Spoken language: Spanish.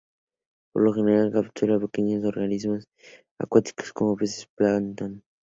Por lo general, captura pequeños organismos acuáticos como peces y plancton.